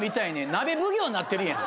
鍋奉行なってるやん。